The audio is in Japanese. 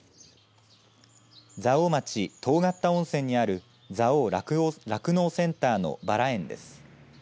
蔵王町遠刈田温泉にある蔵王酪農センターのバラ園です。